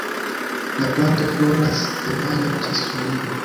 La planto floras de majo ĝis julio.